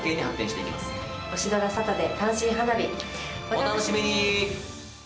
お楽しみに！